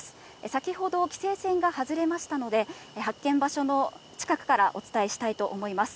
先ほど、規制線が外れましたので、発見場所の近くからお伝えしたいと思います。